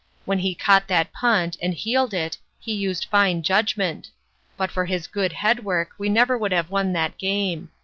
When he caught that punt and heeled it, he used fine judgment; but for his good head work we never would have won that game.